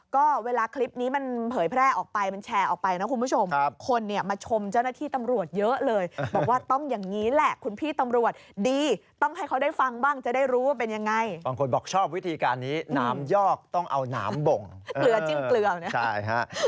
ก็เวลาคลิปนี้มันเผยแพร่ออกไปมันแชร์ออกไปนะคุณผู้ชมคนเนี่ยมาชมเจ้าหน้าที่ตำรวจเยอะเลยบอกว่าต้องอย่างนี้แหละคุณพี่ตำรวจดีต้องให้เขาได้ฟังบ้างจะได้รู้ว่าเป็นยังไงบางคนบอกชอบวิธีการนี้น้ำยอกต้องเอาน้ำบ่งเกลือจิ้มเกลือนะคะ